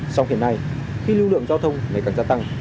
sau khi này khi lưu lượng giao thông ngày càng gia tăng